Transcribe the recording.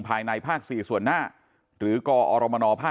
ภายในภาคสี่ส่วนหน้าหรือกออลมนพศลสห์